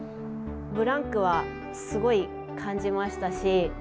ブランクはすごい感じましたし